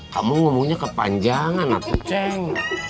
kamu ngomongnya kepanjangan anak kucing